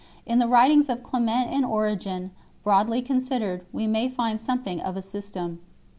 In the writings of Clement and Origen, broadly considered, we may find something of a system.